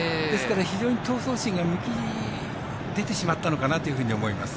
非常に闘争心が出てしまったのかなと思います。